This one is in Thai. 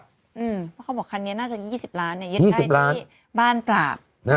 เพราะเขาบอกคันนี้น่าจะ๒๐ล้านยึดได้ที่บ้านตราบ